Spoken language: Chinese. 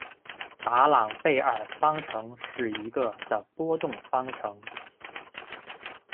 达朗贝尔方程是一个的波动方程。